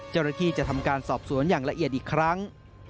เจ้าหน้าที่จะทำการสอบสวนอย่างละเอียดอีกครั้ง